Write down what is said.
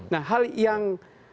nah hal yang